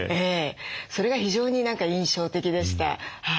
それが非常に印象的でした。